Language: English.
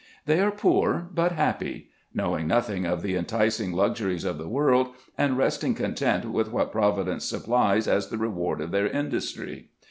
They are poor but happy : knowing nothing of the inticing luxuries of the world, and resting content with what Providence supplies as the reward of their industry.